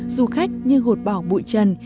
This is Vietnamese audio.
du khách như gột bỏ bụi trần